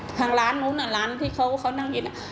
ทางร้านนู้นร้านที่เขานั่งกิน